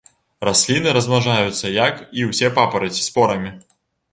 Расліны размнажаюцца, як і ўсе папараці, спорамі.